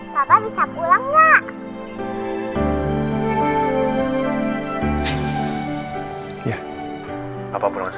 salah satu sama rambut abadi